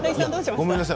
ごめんなさい。